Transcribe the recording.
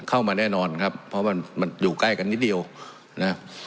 เข้ามาแน่นอนครับเพราะมันมันอยู่ใกล้กันนิดเดียวนะ